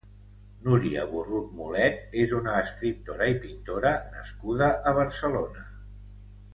Núria Borrut Mulet és una escriptora i pintora nascuda a Barcelona.